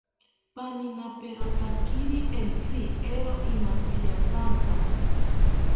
Paminaperotakiri entzi, eero imantziatanta